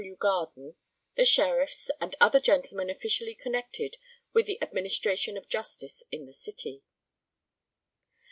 W. Garden, the Sheriffs, and other gentlemen officially connected with the administration of justice in the city.